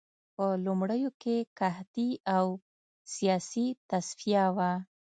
په لومړیو کې قحطي او سیاسي تصفیه وه